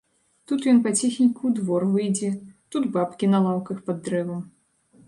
Тут ён паціхеньку ў двор выйдзе, тут бабкі на лаўках пад дрэвам.